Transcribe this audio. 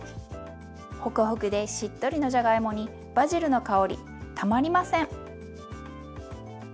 ほくほくでしっとりのじゃがいもにバジルの香りたまりません！